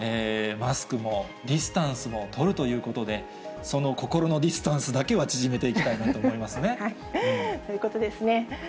マスクもディスタンスも取るということで、その心のディスタンスだけは縮めていきたいなと思いますね。ということですね。